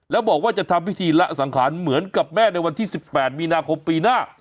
แล้วบอกว่าจะทำพิธีละสังขารเหมือนกับแม่ในวันที่๑๘มีนาคมปีหน้า